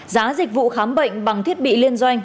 giá dịch vụ khám bệnh bằng thiết bị liên doanh